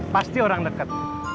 pasti orang deket